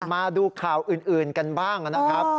มาดูข่าวอื่นกันบ้างนะครับ